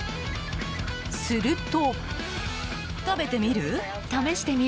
すると。